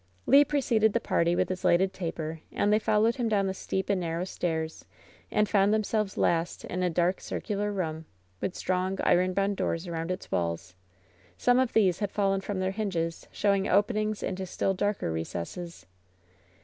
Le preceded the party with his lighted taper, and they followed him down the steep and narrow stairs, and found themselves last in a dark, circular room, with strong, iron boimd doors aroimd its walls. Some of these had fallen from their hinges, showing openings into still darker recesses.